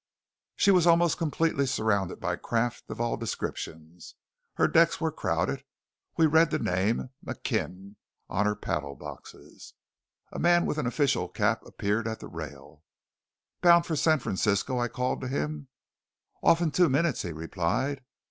She was almost completely surrounded by craft of all descriptions; her decks were crowded. We read the name McKim on her paddle boxes. A man with an official cap appeared at the rail. "Bound for San Francisco?" I called to him. "Off in two minutes," he replied.